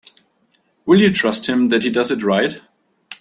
Will you trust him that he does it right?